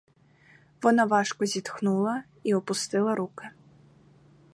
Вона важко зітхнула й опустила руки.